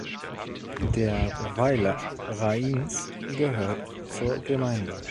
Der Weiler Rains gehört zur Gemeinde.